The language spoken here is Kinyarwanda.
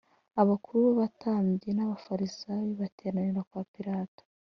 abakuru b abatambyi n Abafarisayo bateranira kwa Pilato